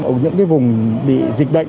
ở những vùng bị dịch bệnh